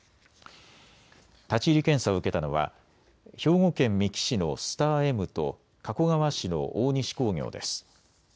立ち入り検査を受けたのは兵庫県三木市のスターエムと加古川市の大西工業です。